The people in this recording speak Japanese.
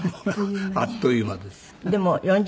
あっという間ね。